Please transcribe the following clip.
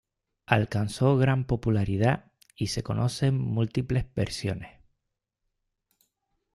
Alcanzó gran popularidad y se conocen múltiples versiones.